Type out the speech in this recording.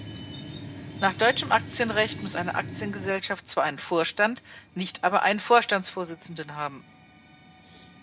Nach deutschem Aktienrecht muss eine Aktiengesellschaft zwar einen Vorstand, nicht aber einen Vorstandsvorsitzenden haben.